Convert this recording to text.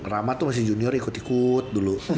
rama tuh masih junior ikut ikut dulu